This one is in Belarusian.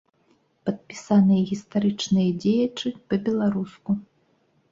Падпісаныя гістарычныя дзеячы па-беларуску.